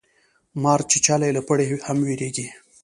مار چیچلی له پړي هم ویریږي